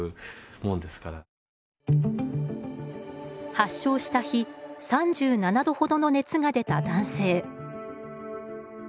発症した日３７度ほどの熱が出た男性。